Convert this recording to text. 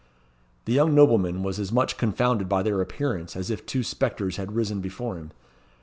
The young nobleman was as much confounded by their appearance as if two spectres had risen before him.